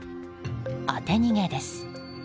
当て逃げです。